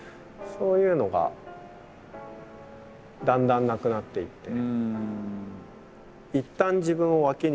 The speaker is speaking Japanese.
そういうのがだんだんなくなっていって。